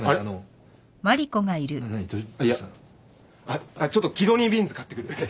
あっちょっとキドニービーンズ買ってくる。